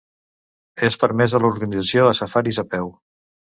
És permesa l'organització de safaris a peu.